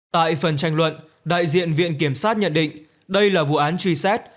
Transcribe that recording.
tại phần tranh luận đại diện viện kiểm sát nhận định đây là vụ án truy xét